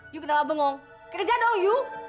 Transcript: i kenapa bengong kerja dong i